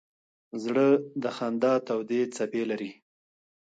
زړه د خندا تودې څپې لري.